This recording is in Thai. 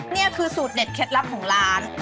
นี่คือสูตรเด็ดเคล็ดลับของร้าน